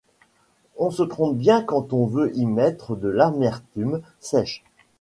On se trompe bien quand on veut y mettre de l'amertume sèche !